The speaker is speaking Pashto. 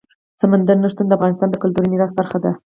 سمندر نه شتون د افغانستان د کلتوري میراث برخه ده.